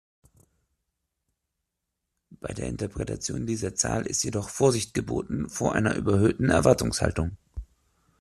Bei der Interpretation dieser Zahl ist jedoch Vorsicht geboten vor einer überhöhten Erwartungshaltung.